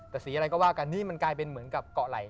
แต่สีอะไรก็ว่ากันนี่มันกลายเป็นเหมือนกับเกาะไหล่